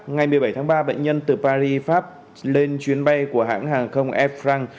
ngày một mươi bảy tháng ba bệnh nhân từ paris pháp lên chuyến bay của hãng hàng không air france